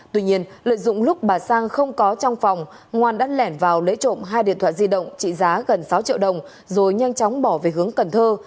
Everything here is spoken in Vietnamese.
tuy nhiên lợi dụng lúc bà sang không có trong phòng ngoan đã lẻn vào lấy trộm hai điện thoại di động trị giá gần sáu triệu đồng rồi nhanh chóng bỏ về hướng cần thơ